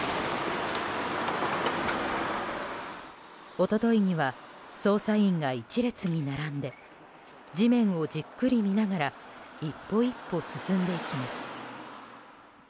一昨日には捜査員が一列に並んで地面をじっくり見ながら一歩一歩進んでいきます。